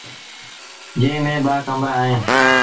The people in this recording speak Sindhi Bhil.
جݩهݩ ميݩ ٻآ ڪمرآ اوهيݩ۔